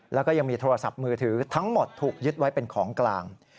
แล้วก็ยังมีโทรศัพท์มือถือทั้งหมดถูกยึดไว้เป็นของกลาง